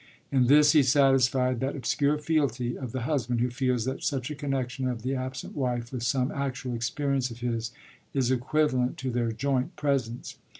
In this he satisfied that obscure fealty of the husband who feels that such a connection of the absent wife with some actual experience of his is equivalent to their joint presence.